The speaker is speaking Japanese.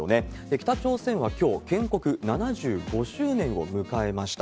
北朝鮮はきょう、建国７５周年を迎えました。